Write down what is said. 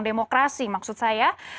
yang dipercaya oleh pemerintah